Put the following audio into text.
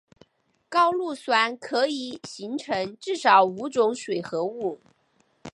高氯酸可以形成至少五种水合物。